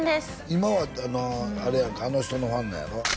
今はあれやんかあの人のファンなんやろ？